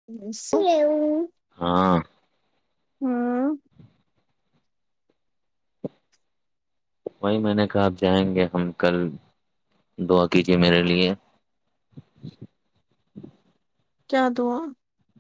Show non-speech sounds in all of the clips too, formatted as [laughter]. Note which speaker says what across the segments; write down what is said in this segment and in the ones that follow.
Speaker 1: [inaudible]
Speaker 2: ہاں وہی میں نے کہا آپ جائیں گے ہم کل دعا کیجیے میرے لیے
Speaker 1: کیا دعا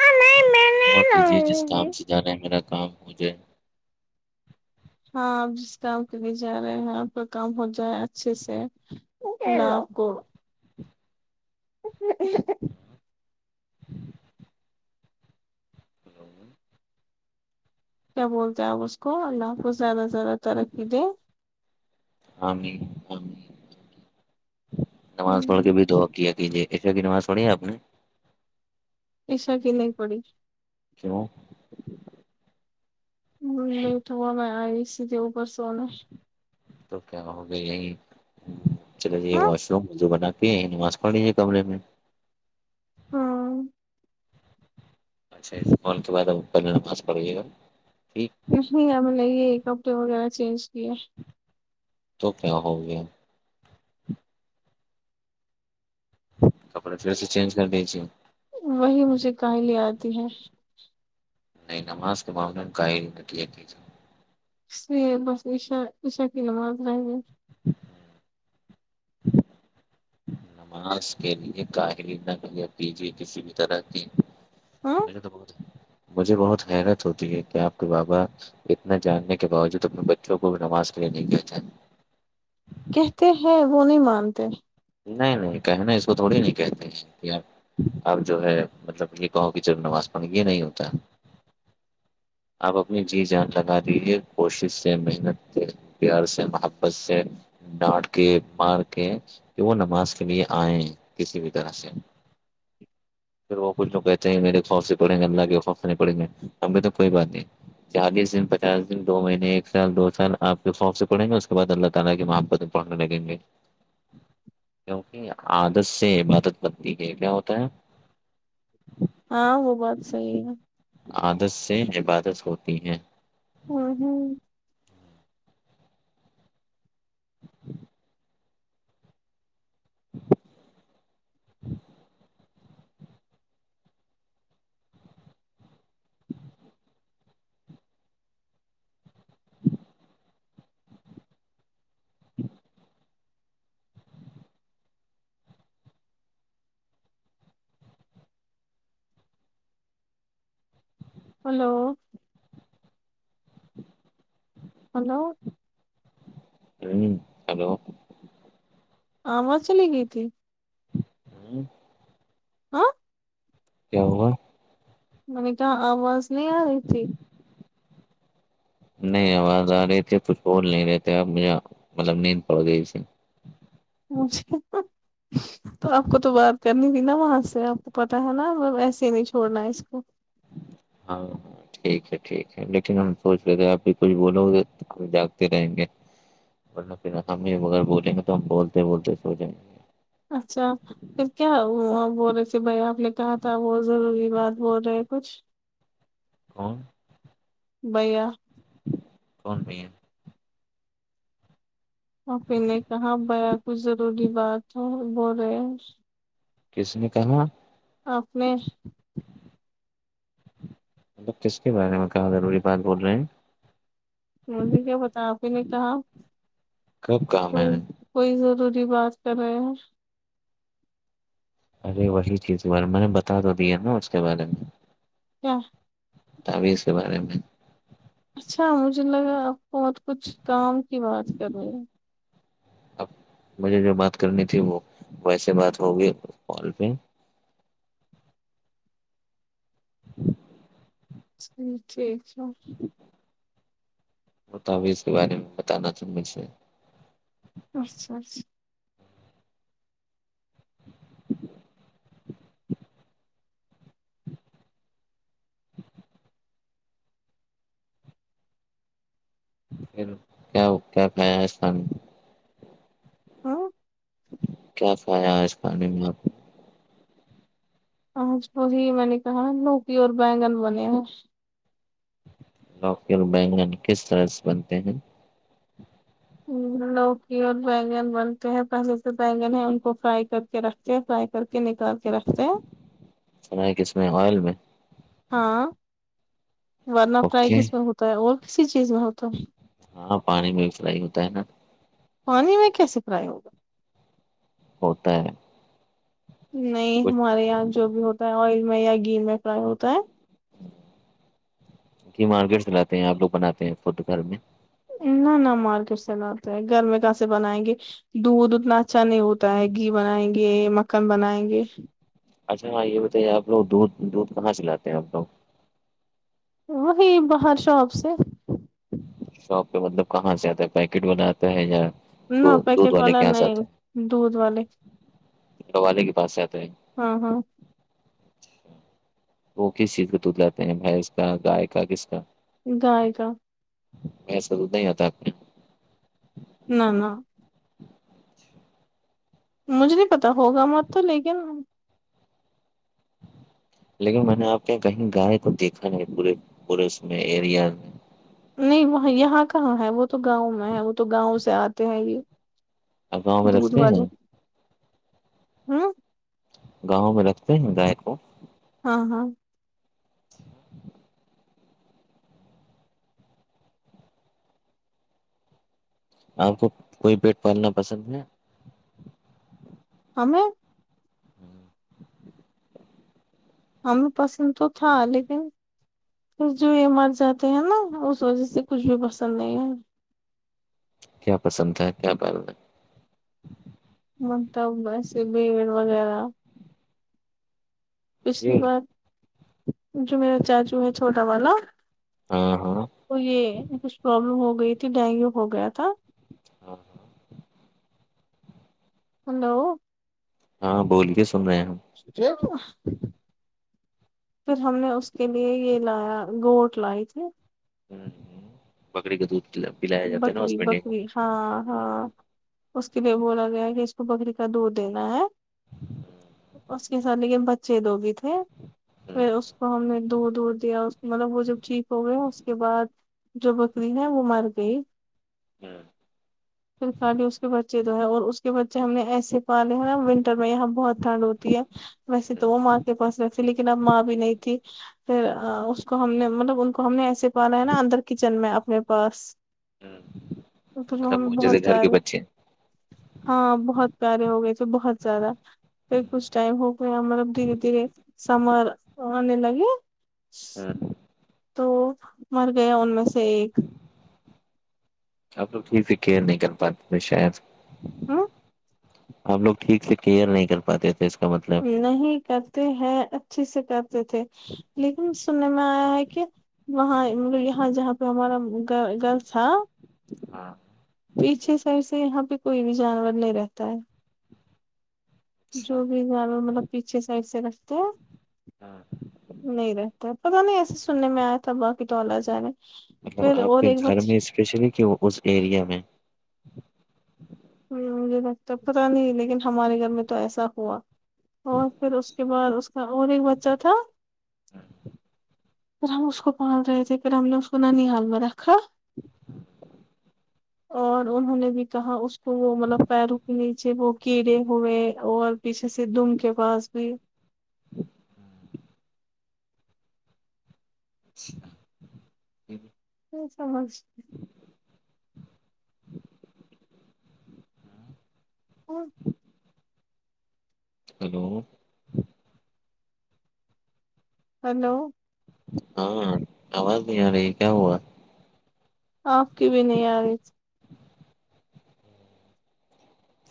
Speaker 1: ہاں
Speaker 2: دعا کیجے جس کام سے جارے میرا کام ہو جائے
Speaker 1: ہاں آپ جس کام کے لیے جا رہے ہیں آپ کا کام ہو جائے اچھے سے اللہ اپ کو کیا بولتے ہیں آپ اس کو اللہ آپ کو زیادہ سے زیادہ ترقی دیں
Speaker 2: امین ثم امین نماز پڑھ کے بھی دعا کیا کیجے عشاء کی نماز پڑھی آپ نے
Speaker 1: عشاء کی نہیں پڑی
Speaker 2: کیوں
Speaker 1: نہیں تھا میں آئیسی اوپر سونے
Speaker 2: تو کیا ہو گیا یہیں چلو یہ
Speaker 1: ہاں
Speaker 2: واش روم بنا یہ نماز پڑیے ہے کمرے میں
Speaker 1: ہاں
Speaker 2: اچھا اس فون کے بعد ہم پہلے نماز پڑھے
Speaker 1: نہیں ہمیں لے کپڑے وغیرہ چینج کیے
Speaker 2: تو کیا ہو گیا کپڑے پھر سے چینج کر لیجئے
Speaker 1: وہی مجھے کاھیلی آتی ہے
Speaker 2: نہیں نماز کے معاملے میں کاھیلی نہ کیا کیجیے
Speaker 1: اسلئے بس عشاء عشاء کی نماز نہیں ہوئی
Speaker 2: نماز کے لیے کاہری نہ کیجیے کسی بھی طرح کی
Speaker 1: ہاں
Speaker 2: مجھے تو بہت مجھے بہت حیرت ہوتی ہے کہ آپ کہ بابا اتنا جاننے کے باوجود اپنے بچوں کو نماز کے لیے بھی کہتے
Speaker 1: کہتے ہیں وہ نہیں مانتے
Speaker 2: نہیں نہیں کہنا اس کو تھوڑی نہیں کہتے کہ آپ آپ جو ہے مطلب یہ کہو کہ جب نماز پڑھ یہ نہیں ہوتا آپ اپنی جی جان لگا دیجے کوشش سے محنت سے پیار سے محبت سے ڈانٹ کے مار کے وہ نماز کے لیے آئیں کسی بھی طرح سے پھر وہ کچھ لوگ کہتے ہیں میرے خوف سے پڑیں گے اللہ کے خوف سے نہیں پڑھے گے ہم بھی تو کوئی بات نہیں چالیس دن پچاس دن دو مہینے ایک سال دو سال آپ کے خوف سے پڑھینگے اس کے بعد اللہ تعالی کی محبت پڑھنے لگیں گے کیونکہ عادت سے عبادت بنتی کے کیا ہوتا ہے
Speaker 1: ہاں وہ بات صحیح ہے
Speaker 2: عادت سے عبادت ہوتی ہے
Speaker 1: نہیں
Speaker 2: [inaudible]
Speaker 1: ہلو ہلو
Speaker 2: ٹرنگنگ ہلو
Speaker 1: آواز چلی گئی تھی
Speaker 2: ہوں
Speaker 1: ہا
Speaker 2: کیا ہوا
Speaker 1: میں نے کہا آواز نہیں آ رہی تھی
Speaker 2: نہیں آواز آ رہی تھی کچھ بول نہیں رہتے آپ مجھے مطلب نیند پڑگئی تھی
Speaker 1: مجھے تو آپ کو تو بات کرنی تھی نا وہاں سے آپ کو پتا ہے نا ایسے ہی نہیں چھوڑنا ہے اس کو
Speaker 2: ہاں ٹھیک ہے ٹھیک ہے لیکن ہم سوچ رہے تھے آپ بھی کچھ بولو گے جاگتے رہیں گے نا پھر ہم بھی اگر بولیں گے تو ہم بولتے بولتے سوجائیں گے
Speaker 1: اچھا پھر کیا وہ بول رہے تھے بھائی آپ نے کہا تھا وہ ضروری بات بول رہے کچھ
Speaker 2: کون
Speaker 1: بھئیا
Speaker 2: کون بھیا
Speaker 1: آپ ہی نے کہا بیا کچھ ضروری بات ہو بول رہے ہیں
Speaker 2: کس نے کہا
Speaker 1: آپ نے
Speaker 2: مطلب کس کے بارے میں کہا ضروری بات بول رہے ہیں
Speaker 1: مجھے کیا پتا آپ ہی نے کہا
Speaker 2: کب کہا میں نے
Speaker 1: کوئی کوئی ضروری بات کرے ہیں
Speaker 2: ارے وہی چیز کے بارے میں نے بتا بھی دی ہے نا اس کے بارے میں
Speaker 1: کیا
Speaker 2: تعویذ کے بارے میں
Speaker 1: اچھا مجھے لگا آپ بہت کچھ کام کی بات کرنی ہے
Speaker 2: اب مجھے جو بات کرنی تھی وہ ویسے بات ہوگی کال پہ [inaudible]
Speaker 1: جی ٹھیک ہے
Speaker 2: تعویذ کے بارے میں بتانا تھا مجھے
Speaker 1: اچھا اچھا
Speaker 2: پھر کیا کیا کھا [unintelligible]
Speaker 1: ہاں
Speaker 2: کیا کھایا اس کھانے میں آپ نے
Speaker 1: آج وہی میں نے کہا لوکی اور بینگن بنے ہیں
Speaker 2: لوکی اور بینگن کس طرح سے بنتے ہیں
Speaker 1: لوکی اور بینگن بنتے ہیں پہلے تو بینگن ہے ان کو فرائی کر کے رکھتے کے فرائی کر کے نکال کے رکھتے ہیں
Speaker 2: بنایا کس میں آئل میں
Speaker 1: ہاں ورنا فرائی
Speaker 2: اوکے
Speaker 1: کس میں ہوتا ہے اور کسی چیز میں ہوتا
Speaker 2: ہاں پانی میں بھی فرائی ہوتا ہے نا
Speaker 1: پانی میں کیسے فرائی ہوگا
Speaker 2: ہوتا ہے
Speaker 1: نہیں
Speaker 2: کچھ
Speaker 1: ہمارے یہاں جو بھی ہوتا ہے آئل میں یا گھی میں فرائی ہوتا ہے
Speaker 2: یہ مارکیٹ سے لاتے ہیں آپ لوگ بناتے ہیں فڈ گھر میں
Speaker 1: نہ نہ مارکیٹ سے لاتتے ہے گھر میں کہاں سے بنائیں گے دودھ اتنا اچھا نہیں ہوتا ہے گھی بنائیں گے مکھن بنائیں گے
Speaker 2: اچھا ہاں یہ بتاے آپ لوگ دودھ دودھ کہاں سے لاتے ہیں آپ لوگ
Speaker 1: وہی باہر شاپ سے
Speaker 2: شاپ پہ مطلب کہاں سے آتا ہے پیکٹ والا آتا ہے یا دو
Speaker 1: نہ
Speaker 2: دودھ
Speaker 1: پیکٹ
Speaker 2: والے
Speaker 1: والا
Speaker 2: کے یہاں سے آتا
Speaker 1: نہیں
Speaker 2: ہے
Speaker 1: دودھ والے
Speaker 2: والے کے پاس سے آتا ہے
Speaker 1: ہاں ہاں
Speaker 2: تو وہ کس چیز کا دودھ لاتے ہیں بھینس کا گائے کا کس کا
Speaker 1: گائے گا
Speaker 2: بھینس کا دودھ نہیں آتا آپ
Speaker 1: نہ نہ مجھے نہیں پتا ہوگا واں تو لیکن
Speaker 2: یہاں؟ لیکن میں نے آپ کے یہ کہیں گائے تو دیکھا نہیں پورے پورے اس میں ایریا میں
Speaker 1: نہیں وہ یہاں کہاں ہے وہ تو گاؤں میں ہے وہ تو گاؤں سے آتے ہیں یہ
Speaker 2: آپ گاؤں میں
Speaker 1: دودھ
Speaker 2: رکھتے
Speaker 1: والے
Speaker 2: ہیں
Speaker 1: ہاں
Speaker 2: گاؤں میں رکھتے ہیں گائے کو
Speaker 1: ہاں ہاں
Speaker 2: آپ کو کوئی پٹ پالنا پسند ہے
Speaker 1: ہمیں ہمیں پسند تو تھا لیکن جو یہ مر جاتے ہیں نا اس وجہ سے کچھ بھی پسند نہیں ہے
Speaker 2: کیا پسند تھا کیا پالنا
Speaker 1: [unintelligible] وغیرہ پچھلی
Speaker 2: ہے
Speaker 1: بار جو میرا چاچو ہے چھوٹا والا
Speaker 2: ہاں ہاں
Speaker 1: تو یہ کچھ پرابلم ہو گئی کے ڈینگیو ہو گیا تھا
Speaker 2: ہاں ہاں
Speaker 1: ہلو
Speaker 2: ہاں بولیے سن رہے ہیں ہم
Speaker 1: [unintelligible] پر ہم نے اس کے لیے یہ لایا گوٹ لاے تھے
Speaker 2: ہوں ہوں بکری کے دودھ پ پلایا جاتا ہے نا اس
Speaker 1: بکری
Speaker 2: میں ڈینگو
Speaker 1: بکری ہاں ہاں اس کے لیے بولا گیا کہ اس کو بکری کا دودھ دینا ہے اس کے ساتھ لیکن بچے دو بھی تھے پھر اس کو ہم نے دودھ ودوھ دیا مطلب وہ جب ٹھیک ہو گیا اس کے بعد جو بکری ہے وہ مر گئی
Speaker 2: میں
Speaker 1: پھر خالی اس کے بچے جو ہے اور اس کے بچے ہم نے ایسے پالے ہیں نا ونٹر میں یہاں بہت ٹھنڈ ہوتی ہے ویسے تو وہ ماں کے پاس ویسے لیکن اب ماں بھی نہیں تھی پھر اس کو ہم نے مطلب ان کو ہم نے ایسے پالا ہے نا اندر کچن میں اپنے پاس
Speaker 2: ہ
Speaker 1: پھر
Speaker 2: مطلب
Speaker 1: ہمیں
Speaker 2: وہ جیسے
Speaker 1: بہت
Speaker 2: گھر کے
Speaker 1: پیارے
Speaker 2: بچے
Speaker 1: ہاں بہت پیارے ہو گئے تھے بہت زیادہ پھر کچھ ٹائم ہو گیا مطلب دھیرے دھیرے سمر آنے لگے
Speaker 2: ہاں
Speaker 1: تو مر گیا ان میں سے ایک
Speaker 2: آپ لوگ ٹھیک سے کیئر نہیں کر پاتے شاید
Speaker 1: ہوں
Speaker 2: ہم لوگ ٹھیک سے کیئر نہیں کر پاتے تھے اس کا مطلب
Speaker 1: نہیں کرتے ہیں اچھے سے کرتے تھے لیکن سننے میں آیا ہے کہ وہاں مطلب یہاں جہاں پہ ہمارا گھر تھا
Speaker 2: ہاں
Speaker 1: پیچھے سائڈ سے یہاں پہ کوئی بھی جانور نہیں رہتا ہے جو بھی جانور مطلب پیچھے سائڈ سے رکھتے ہیں نہیں رہ پتا نہیں ایسے سننے میں آیا تھا باقی تو اللہ جانے
Speaker 2: مطلب
Speaker 1: پھر
Speaker 2: آپ
Speaker 1: اور
Speaker 2: کے
Speaker 1: ایک
Speaker 2: گھر
Speaker 1: بچ
Speaker 2: میں اسپیشلی کیوں اس ایریا میں
Speaker 1: مجھے تب تک پتا نہیں لیکن ہمارے گھر میں تو ایسا ہوا اور پھر اس کے بعد اس کا اور ایک بچہ تھا
Speaker 2: ہوں [inaudible]
Speaker 1: پھر ہم اس کو پال رہے تھے پھر ہم نے اس کو نانیال میں رکھا اور انہوں نے بھی کہا اس تو وہ مطلب پیروں کے نیچے وہ کیڑے ہوئے اور پیچھے سے دم کے پاس بھی
Speaker 2: اچھا پھر
Speaker 1: ہ سمجھ اور
Speaker 2: ہلو
Speaker 1: ہلو
Speaker 2: ہاں آواز نہیں آ رہی کیا ہوا
Speaker 1: آپ کی بھی نہیں آ رہی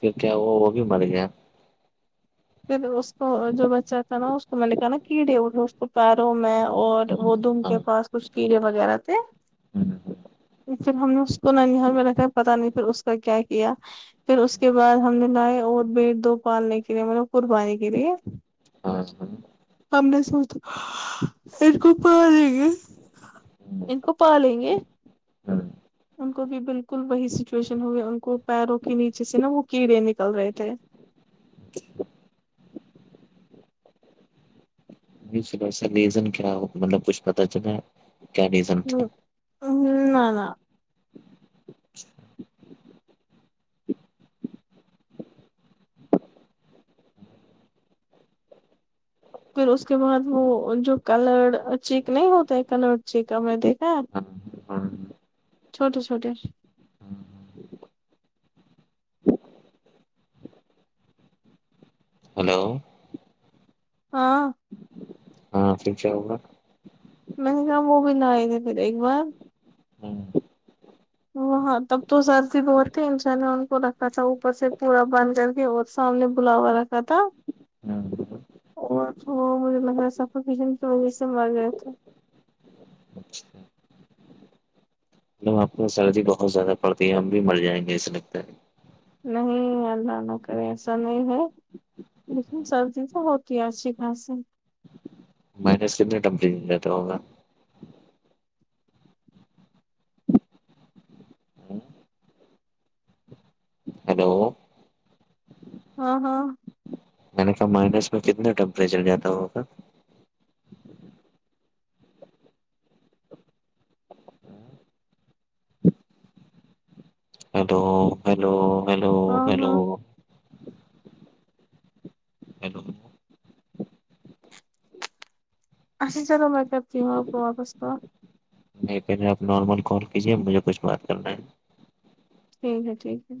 Speaker 2: پھر کیا وہ وہ بھی مر گیا
Speaker 1: پھر اس تو جو بچہ تھا نا اس کو میں نے کہا نا کیڑے او اس کو پیروں میں اور وہ دم
Speaker 2: ہاں
Speaker 1: کے پاس کچھ کیڑے وغیرہ تھے
Speaker 2: ہاں
Speaker 1: پھر ہم نے اس کو نانیال میں رکھا پتا نہیں پھر اس کا کیا کیا پھر اس کے بعد ہم نے لائے اور بیل دو پالنے کے لیے مطلب قربانی کے لیے
Speaker 2: ہاں ہ [unintelligible]
Speaker 1: ہم س ا رک پا جائے گے [unintelligible] ان کو پالیں گے
Speaker 2: ہاں [unintelligible]
Speaker 1: ان کو بھی بالکل وہی سچویشن ہو گئی ان کو پیروں کے نیچے سے نا وہ کیڑے نکل رہے تھے
Speaker 2: [inaudible] ریزن کیا مطلب کچھ پتا چلا کیا ریزن تھا
Speaker 1: نہ نہ
Speaker 2: اچھا
Speaker 1: پھر اس کے بعد وہ جو کلر چیک نہیں ہوتا ہے کلر چیک میں دیکھا ہے
Speaker 2: ہاں ہاں
Speaker 1: چھوٹے چھوٹے
Speaker 2: ہلو
Speaker 1: ہاں
Speaker 2: ہاں پھر کیا ہوا
Speaker 1: میں نے کہا وہ بھی لاینگے پھر ایک بار
Speaker 2: ہاں
Speaker 1: وہ ہاں تب تو سردی بہت تھی انشا نے ان کو رکھا تھا اوپر سے پورا بند کر کے اور سامنے ایک بلاوڑ رکھا تھا
Speaker 2: ہاں
Speaker 1: اور تھوڑے لگ رہا سفوکشن کی وجہ سے مرگئے تھے
Speaker 2: اچھا آپ کو سردی بہت زیادہ پڑتی ہے ہم بھی مر جائیں گے ایسے لگتا ہے
Speaker 1: نہیں اللہ نہ کرے ایسا نہیں ہے لیکن سردی تو ہوتی ہے اچھی خاصی
Speaker 2: مائنس کتنا ٹمپریچر رہتا ہوگا ہلو
Speaker 1: ہاں ہاں
Speaker 2: کا مائنس میں کتنا ٹیمپریچر جاتا ہوگا ہیلو ہیلو ہیلو
Speaker 1: ہاں
Speaker 2: ہیلو
Speaker 1: ہاں
Speaker 2: ہیلو
Speaker 1: اچھا چلو میں کرتی ہوں اپ کو واپس کال
Speaker 2: نہیں پہلے آپ نارمل کال کیجئے مجھے کچھ بات کرنا ہے
Speaker 1: ٹھیک ہے ٹھیک ہے